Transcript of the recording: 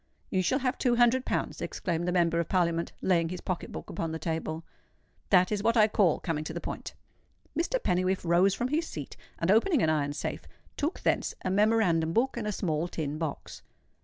"You shall have two hundred pounds," exclaimed the Member of Parliament, laying his pocket book upon the table. "That is what I call coming to the point." Mr. Pennywhiffe rose from his seat, and opening an iron safe, took thence a memorandum book and a small tin box.